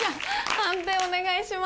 判定お願いします。